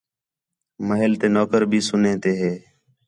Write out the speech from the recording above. محل تے نوکر بھی سُنّے تے ہِے